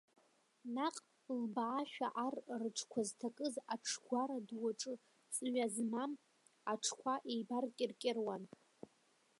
Наҟ лбаашәа ар рҽқәа зҭакыз аҽгәара ду аҿы ҵҩа змам аҽқәа еибаркьыркьыруан.